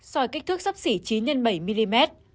sỏi kích thước sắp xỉ chín x bảy mm